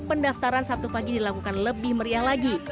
pendaftaran sabtu pagi dilakukan lebih meriah lagi